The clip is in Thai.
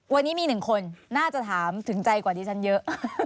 วันนี้มีหนึ่งคนน่าจะถามถึงใจกว่าดิฉันเยอะ